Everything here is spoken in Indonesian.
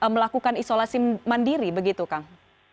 melakukan isolasi mandiri begitu kang